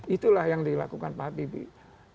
itulah yang dilakukan pak habibie